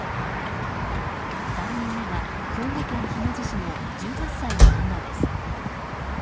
３人目が兵庫県姫路市の１８歳の女です。